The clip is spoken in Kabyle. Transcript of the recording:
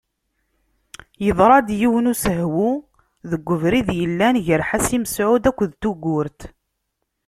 Yeḍṛa yiwen n usehwu deg ubrid yellan gar Ḥasi Mesεud akked Tugurt.